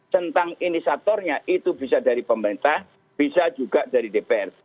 tentang inisiatornya itu bisa dari pemerintah bisa juga dari dpr